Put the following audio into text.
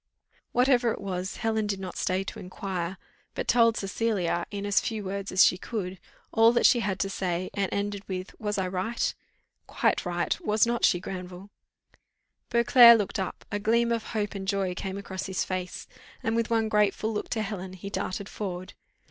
Whatever it was, Helen did not stay to inquire, but told Cecilia, in as few words as she could, all that she had to say; and ended with "Was I right?" "Quite right, was not she, Granville?" Beauclerc looked up a gleam of hope and joy came across his face, and, with one grateful look to Helen, he darted forward.